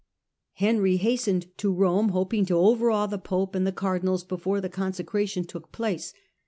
Henry hastened to Rome, hoping to overawe the pope and the cardinals before the consecration took place.